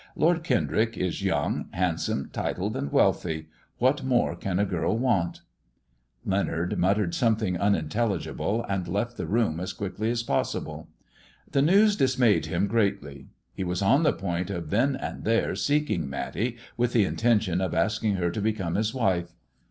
"Lord Kendrick is young, hand some, titled, and wealthy. What more can the girl want 1 " Leonard muttered something unintelligible, and left the room as quickly as possible. The news dismayed him greatly. He was on the point of then and there seeking Matty, with the intention of asking her to become his wife.